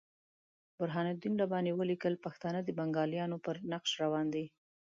برهان الدین رباني ولیکل پښتانه د بنګالیانو پر نقش روان دي.